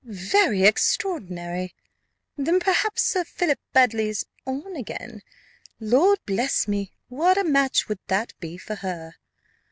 "Very extraordinary! Then perhaps Sir Philip Baddely's on again Lord bless me, what a match would that be for her!